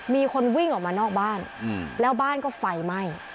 มีคนวิ่งออกมานอกบ้านแล้วบ้านก็ไฟไหม้